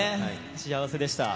幸せでした。